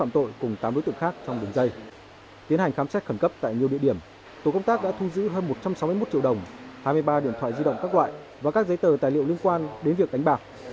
tổng cộng tác đã thu giữ hơn một trăm sáu mươi một triệu đồng hai mươi ba điện thoại di động các loại và các giấy tờ tài liệu liên quan đến việc đánh bạc